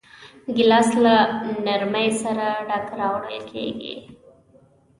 ګیلاس له نرمۍ سره ډک راوړل کېږي.